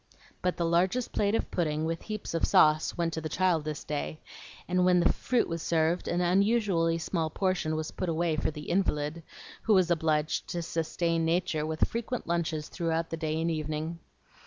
But the largest plate of pudding, with "heaps of sauce," went to the child this day, and when the fruit was served, an unusually small portion was put away for the invalid, who was obliged to sustain nature with frequent lunches through the day and evening.